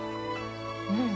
うん。